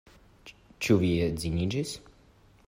Ĉu vi edziniĝis?